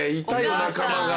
仲間が。